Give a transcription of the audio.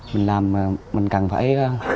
mình làm mình cần phải